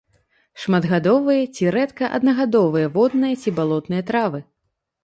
Шматгадовыя ці рэдка аднагадовыя водныя ці балотныя травы.